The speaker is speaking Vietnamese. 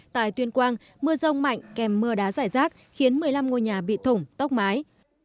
tại tuyên quang mưa rông mạnh kèm mưa đá rải rác khiến một mươi năm ngôi nhà bị thủng tóc mái